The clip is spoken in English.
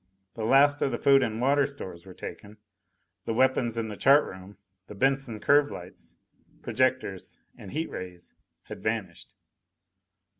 The last of the food and water stores were taken. The weapons in the chart room the Benson curve lights, projectors and heat rays had vanished!